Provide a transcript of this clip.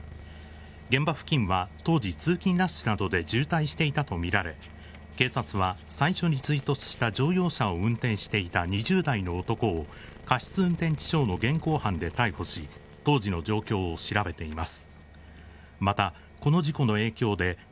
現場付近は当時、通勤ラッシュなどで渋滞していたと見られ、警察は、最初に追突した乗用車を運転していた２０代の男を、過失運転致傷の現行犯で逮捕し、当時の状況を調べています。